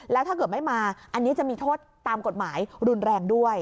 แล้วถ้าเกิดไม่มาอันนี้จะมีโทษตามกฎหมายรุนแรงด้วย